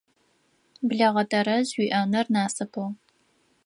Блэгъэ тэрэз уиӏэныр насыпыгъ.